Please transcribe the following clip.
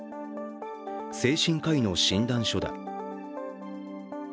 精神科医の診断書だ。